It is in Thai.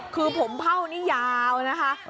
คือผมเผ่านี่ยาวนะคะ